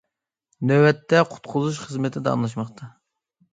نۆۋەتتە قۇتقۇزۇش خىزمىتى داۋاملاشماقتا.